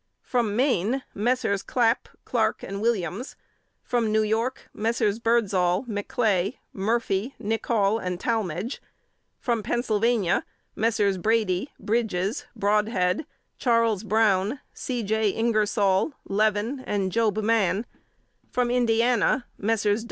From Maine, Messrs. Clapp, Clarke and Williams; from New York, Messrs. Birdsal, McClay, Murphy, Necoll and Tallmadge; from Pennsylvania, Messrs. Brady, Bridges, Brodhead, Charles Brown, C. J. Ingersol, Levin and Job Mann; from Indiana, Messrs.